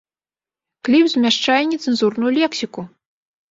Кліп змяшчае нецэнзурную лексіку!